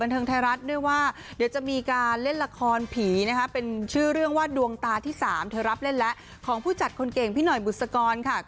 เธอรับเล่นและของผู้จัดคนเก่งพี่หน่อยบุษกรค่ะ